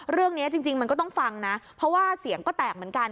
เรื่องนี้จริงมันก็ต้องฟังนะเพราะว่าเสียงก็แตกเหมือนกัน